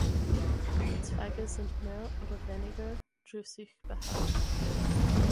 Die Zweige sind mehr oder weniger drüsig behaart.